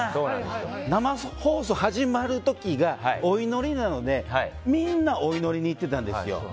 生放送始まる時がお祈りなので、みんなお祈りに行ってたんですよ。